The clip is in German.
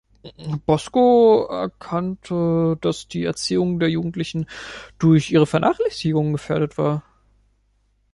Bosco erkannte, dass die Erziehung der Jugendlichen durch ihre Vernachlässigung gefährdet war.